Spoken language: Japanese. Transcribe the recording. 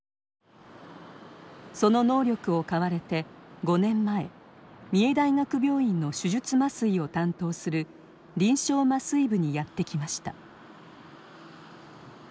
その能力を買われて５年前三重大学病院の手術麻酔を担当する臨床麻酔部にやって来ました。